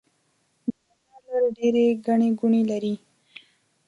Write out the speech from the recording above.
د بازار لارې ډيرې ګڼې ګوڼې لري.